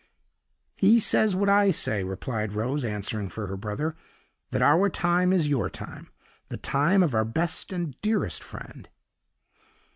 "He says what I say," replied Rose, answering for her brother; "that our time is your time the time of our best and dearest friend."